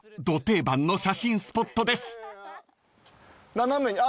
斜めああ